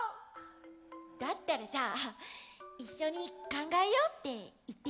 だったらさ一緒に考えようって言ってみたら？